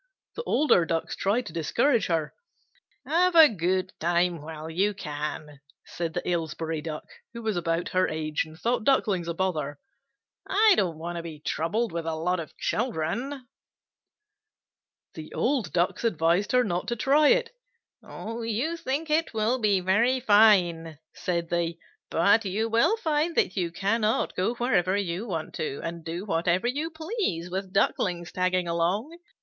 The older Ducks tried to discourage her. "Have a good time while you can," said the Aylesbury Duck, who was about her age, and thought Ducklings a bother. "I don't want to be troubled with a lot of children." The old Ducks advised her not to try it. "You think it will be very fine," said they, "but you will find that you cannot go wherever you want to, and do whatever you please with Ducklings tagging along.